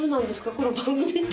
この番組」って。